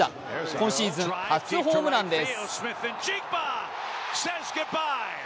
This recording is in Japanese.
今シーズン、初ホームランです。